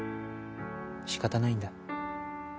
仕方ないんだ